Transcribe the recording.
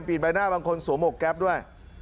ใบหน้าบางคนสวมหกแก๊ปด้วย